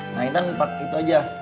nah intan pakai itu aja